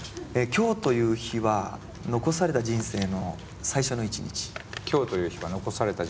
「今日という日は残された人生の最初の一日」。